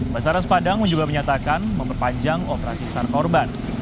basar ras padang juga menyatakan memperpanjang operasi sargabungan